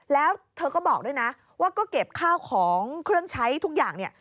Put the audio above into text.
แล้วเธอก็บอกด้วยนะว่าก็เก็บข้าวของเครื่องใช้ทุกอย่างเนี่ย